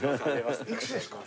いくつですか？